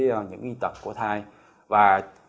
và chúng ta có thể nhận thấy là